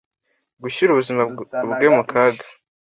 gushyira ubuzima bwe mu kaga